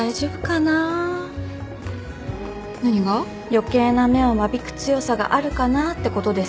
余計な芽を間引く強さがあるかなってことです。